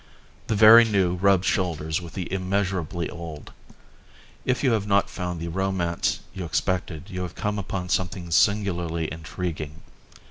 The very new rubs shoulders with the immeasurably old. And if you have not found the romance you expected you have come upon something singularly intriguing.